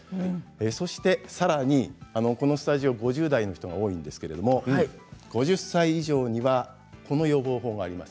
そしてさらに、このスタジオ５０代の人が多いんですけれど５０歳以上にはこんな予防法があります。